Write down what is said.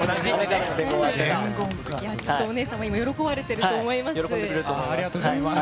お姉さんも今喜ばれていると思います。